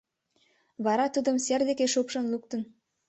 Вара тудым сер деке шупшын луктын.